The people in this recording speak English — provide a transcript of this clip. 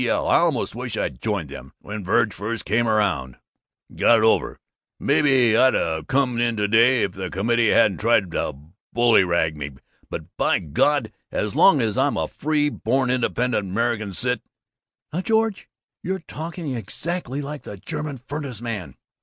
L. I almost wish I'd joined it when Verg first came around, and got it over. And maybe I'd've come in to day if the committee hadn't tried to bullyrag me, but, by God, as long as I'm a free born independent American cit " "Now, George, you're talking exactly like the German furnace man."